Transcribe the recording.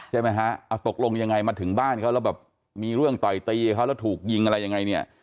ใช่ไหมฮะเอาตกลงยังไงมาถึงบ้านเขาแล้วแบบมีเรื่องต่อยตีเขาแล้วถูกยิงอะไรยังไงเนี่ย